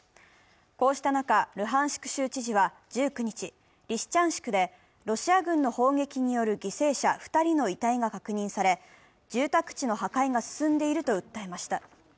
こうした中、ルハンシク州知事は１９日、リシチャンシクでロシア軍の砲撃による犠牲者２人の遺体が確認され、住宅地の破壊が進んでいると訴えました。